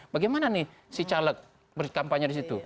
bagaimana nih si caleg berkampanye di situ